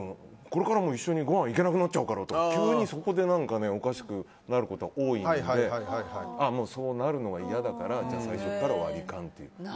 これからも一緒にごはん行けなくなっちゃうからとか急にそこでおかしくなることが多いのでそうなるのは嫌だから最初から割り勘っていう。